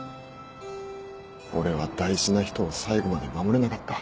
俺は大事な人を最後まで守れなかった。